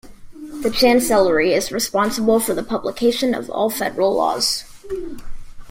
The chancellery is responsible for the publication of all federal laws.